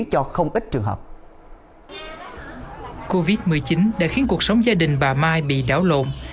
covid một mươi chín đã khiến cuộc sống gia đình bà mai bị đảo lộn